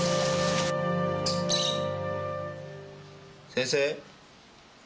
先生。